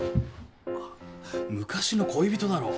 あっ昔の恋人だろ？